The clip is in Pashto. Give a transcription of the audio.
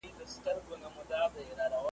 بوالعلا وو بریان سوی چرګ لیدلی .